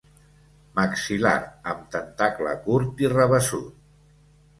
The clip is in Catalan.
Maxil·lar amb tentacle curt i rabassut.